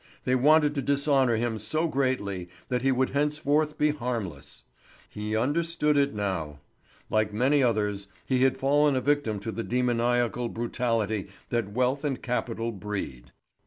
They wanted to dishonour him so greatly that he would henceforth be harmless. He understood it now. Like many others, he had fallen a victim to the demoniacal brutality that wealth and capital breed.